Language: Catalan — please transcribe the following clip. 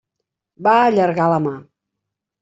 Va allargar la mà.